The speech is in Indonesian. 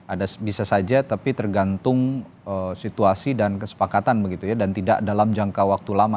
ada bisa saja tapi tergantung situasi dan kesepakatan begitu ya dan tidak dalam jangka waktu lama